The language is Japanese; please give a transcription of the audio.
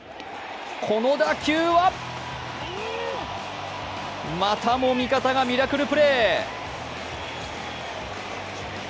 この打球はまたも味方がミラクルプレー。